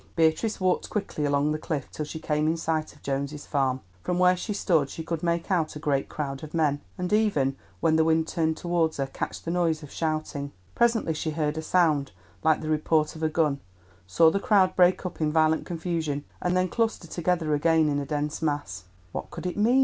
Beatrice walked quickly along the cliff till she came in sight of Jones's farm. From where she stood she could make out a great crowd of men, and even, when the wind turned towards her, catch the noise of shouting. Presently she heard a sound like the report of a gun, saw the crowd break up in violent confusion, and then cluster together again in a dense mass. "What could it mean?"